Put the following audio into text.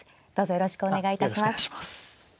よろしくお願いします。